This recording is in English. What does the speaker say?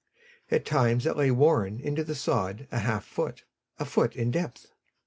At times it lay worn into the sod a half foot, a foot in depth.